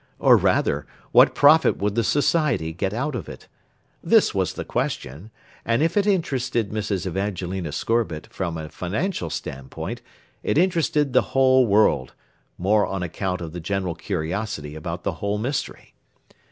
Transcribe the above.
Or rather, what profit would the Society get out of it? This was the question; and if it interested Mrs. Evangelina Scorbitt from a financial standpoint it interested the whole world, more on account of the general curiosity about the whole mystery.